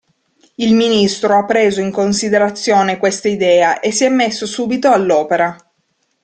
Il ministro ha preso in considerazione questa idea e si è messo subito all'opera.